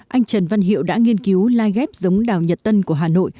anh trần văn hiệu đã nghiên cứu lai ghép giống đào nhật tân của hà nội